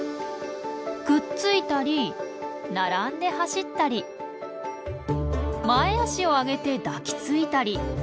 くっついたり並んで走ったり前足を上げて抱きついたり。